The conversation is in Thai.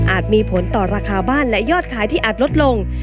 มีผลต่อราคาบ้านและยอดขายที่อาจลดลง